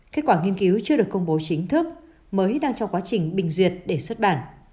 kết quả nghiên cứu chưa được công bố chính thức mới đang trong quá trình bình duyệt để xuất bản